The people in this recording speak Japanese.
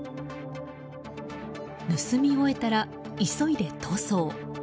盗み終えたら急いで逃走。